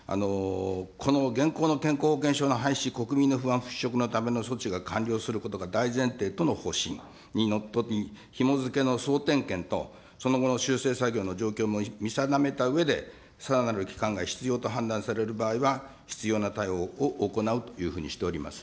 この現行の健康保険証の廃止、国民の不安払拭のための措置が完了することが大前提との方針にのっとり、ひも付けの総点検と、その後の修正作業の状況も見定めたうえで、さらなる期間が必要と判断される場合は、必要な対応を行うというふうにしております。